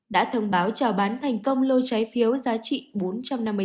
đã thông báo trào bán thành công lô trái phiếu giá trị